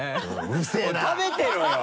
おい食べてろよ！